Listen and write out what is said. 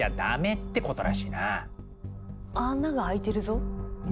穴が開いてるぞ。